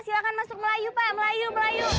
silahkan masuk melayu pak melayu melayu